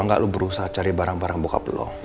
kalo gak lu berusaha cari barang barang bokap lo